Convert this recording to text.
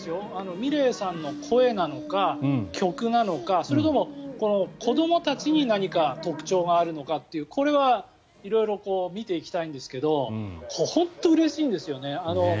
ｍｉｌｅｔさんの声なのか曲なのかそれとも子どもたちに何か特徴があるのかというこれは色々見ていきたいんですけど本当にうれしいんですよね。